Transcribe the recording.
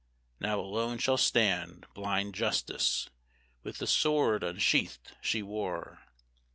Now alone shall stand Blind Justice, with the sword unsheathed she wore.